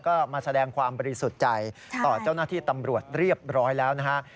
ก็มาแสดงความบริสุทธิ์ใจต่อเจ้าหน้าที่ตำรวจเรียบร้อยแล้วนะฮะ